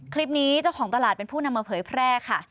เจ้าของตลาดเป็นผู้นำมาเผยแพร่ค่ะ